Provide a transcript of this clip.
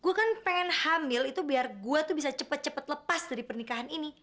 gue kan pengen hamil itu biar gue tuh bisa cepat cepat lepas dari pernikahan ini